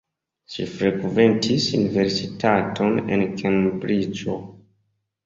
Ŝi frekventis universitaton en Kembriĝo.